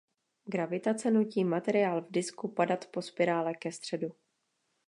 Gravitace nutí materiál v disku padat po spirále ke středu.